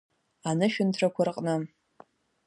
Анышәынҭрақәа рҟны…